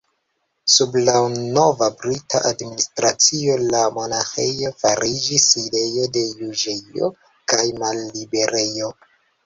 Sub la nova brita administracio la monaĥejo fariĝis sidejo de juĝejo kaj malliberejo.